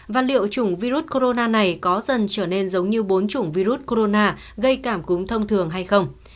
và liệu chủng virus corona này có dần trở nên giống như bốn chủng virus corona gây cảm cúm thông thường hay không